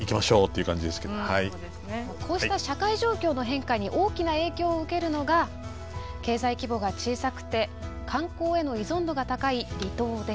こうした社会状況の変化に大きな影響を受けるのが経済規模が小さくて観光への依存度が高い離島です。